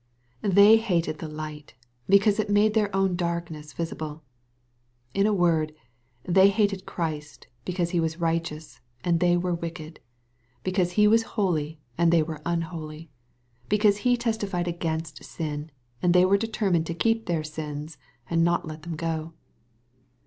They hated the light, be cause it made their own darkness visible. In a word, they hated Christ, because he was righteous and they were wicked, — ^because He was holy and they were un holy, — ^because he testified against sin, and they were determined to keep their sins and not let them go.